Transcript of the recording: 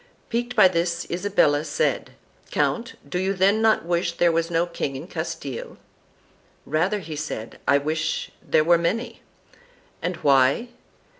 Piqued by this Isabella said '" Count do you then not wish there was no king in Castile?" "Rather," said he, "I wish there were many." "And why?"